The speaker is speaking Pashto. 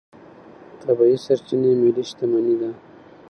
طبیعي سرچینې ملي شتمني ده.